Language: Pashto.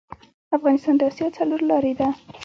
افغانستان د اسیا څلور لارې ده